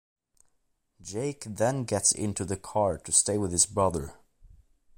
Jake then gets into the car to stay with his brother.